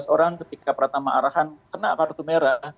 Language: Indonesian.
sebelas orang ketika pertama arahan kena kartu merah